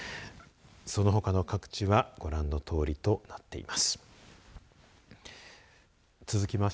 そのほかの各地はご覧のとおりとなっています。